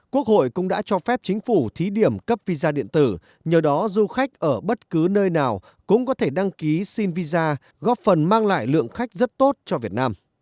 quốc hội cũng đã cho phép chính phủ thí điểm cấp visa điện tử nhờ đó du khách ở bất cứ nơi nào cũng có thể đăng ký xin visa góp phần mang lại lượng khách rất tốt cho việt nam